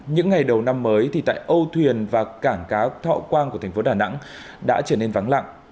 những ngày đầu năm mới thì tại âu thuyền và cảng cá thọ quang của thành phố đà nẵng đã trở nên vắng lặng